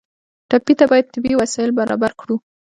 ټپي ته باید طبي وسایل برابر کړو.